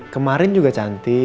kemarin juga cantik